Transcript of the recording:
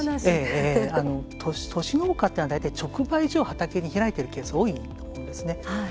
都市農家っていうのは大体、直売所を畑に開いているケースが多いんですね。